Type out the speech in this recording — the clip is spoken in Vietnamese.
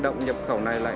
một mươi tám đồng không ạ